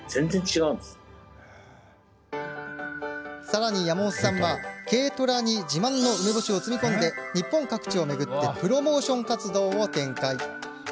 さらに山本さんは軽トラに自慢の梅干しを積み込み日本各地を巡ってプロモーション活動を展開。